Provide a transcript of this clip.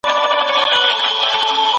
د درې ورځو اختيار يو ښه فرصت دی.